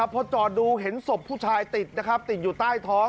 พอจอดดูเห็นศพผู้ชายติดนะครับติดอยู่ใต้ท้อง